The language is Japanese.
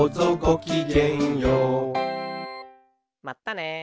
まったね。